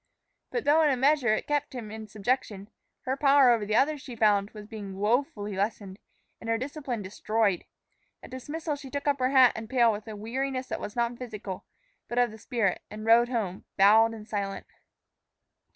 But though in a measure it kept him in subjection, her power over the others, she found, was being woefully lessened, and her discipline destroyed. At dismissal she took up her hat and pail with a weariness that was not physical, but of the spirit, and rode home, bowed and silent.